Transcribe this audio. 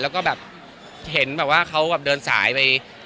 แล้วก็แบบเห็นแบบว่าเขาแบบเดินสายไป